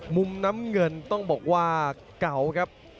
มุมน้ำเงินต้องบอกว่าเก่าครับ